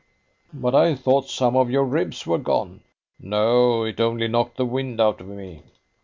"But I thought some of your ribs were gone." "No, it only knocked the wind out of me."